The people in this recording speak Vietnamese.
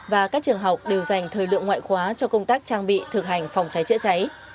và các trường học đều dành thời lượng ngoại khóa cho công tác trang bị thực hành phòng cháy chữa cháy